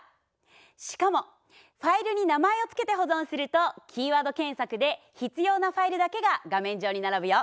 しかもファイルに名前を付けて保存するとキーワード検索で必要なファイルだけが画面上に並ぶよ。